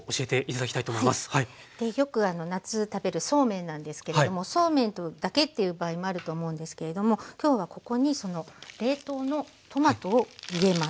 よく夏食べるそうめんなんですけれどもそうめんだけっていう場合もあると思うんですけれども今日はここに冷凍のトマトを入れます。